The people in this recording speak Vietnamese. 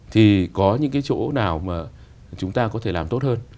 thì có những cái chỗ nào mà chúng ta có thể làm tốt hơn